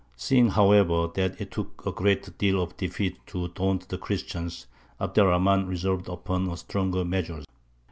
Seeing, however, that it took a good deal of defeat to daunt the Christians, Abd er Rahmān resolved upon stronger measures.